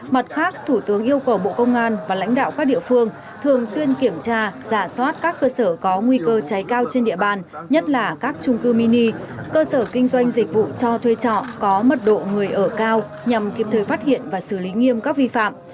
mặt khác thủ tướng yêu cầu bộ công an và lãnh đạo các địa phương thường xuyên kiểm tra giả soát các cơ sở có nguy cơ cháy cao trên địa bàn nhất là các trung cư mini cơ sở kinh doanh dịch vụ cho thuê trọ có mật độ người ở cao nhằm kiếm thời phát hiện và xử lý nghiêm các vi phạm